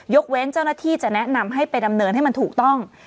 เว้นเจ้าหน้าที่จะแนะนำให้ไปดำเนินให้มันถูกต้อง